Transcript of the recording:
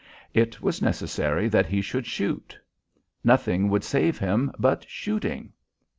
It was necessary that he should shoot. Nothing would save him but shooting.